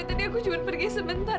tadi aku cuma pergi sebentar